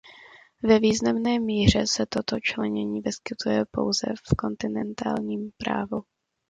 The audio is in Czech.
Ve významné míře se toto členění vyskytuje pouze v kontinentálním právu.